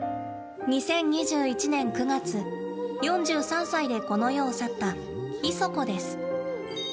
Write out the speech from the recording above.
２０２１年９月、４３歳でこの世を去ったイソコです。